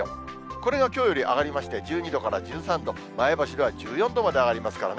これがきょうより上がりまして、１２度から１３度、前橋は１４度まで上がりますからね。